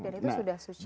dan itu sudah suci